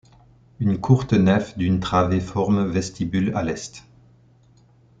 Une courte nef d'une travée forme vestibule à l'est.